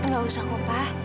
gak usah papa